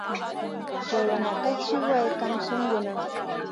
Joriona ka tchi wayn kam sunguda.